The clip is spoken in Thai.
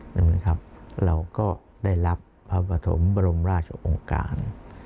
เราก็ได้รับพระปฐมบรมราชองค์กาล